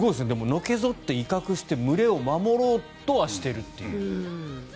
のけ反って威嚇して群れを守ろうとはしてるという。